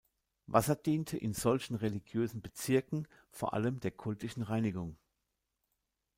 Wasser diente in solchen religiösen Bezirken vor allem der kultischen Reinigung.